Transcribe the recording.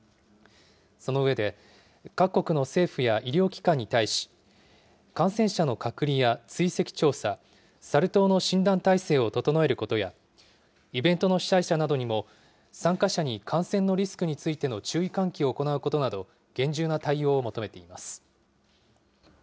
その上で、各国の政府や医療機関に対し、感染者の隔離や追跡調査、サル痘の診断態勢を整えることや、イベントの主催者などにも、参加者に感染のリスクについての注意喚起を行うことなど、厳重な対応を求めています。